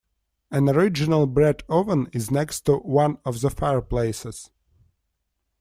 An original bread-oven is next to one of the fireplaces.